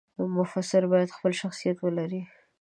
مفسر باید خپل شخصیت ولري.